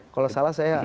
kalau salah saya